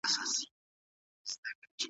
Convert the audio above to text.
د مینوپاز پر مهال هورمونونه بدلون کوي.